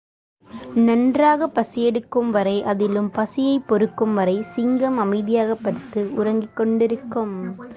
நன்றாகப் பசியெடுக்கும் வரை, அதிலும் பசியைப் பொறுக்கும் வரை சிங்கம் அமைதியாகப் படுத்து உறங்கிக் கொண்டிருக்கும்.